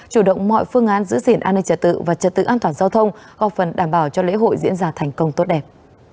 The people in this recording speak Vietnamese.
chủ động mọi phương án giữ gìn an ninh trật tự và trật tự an toàn giao thông góp phần đảm bảo cho lễ hội diễn ra thành công tốt đẹp